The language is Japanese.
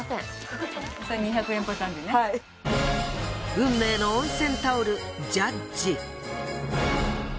運命の温泉タオルジャッジ。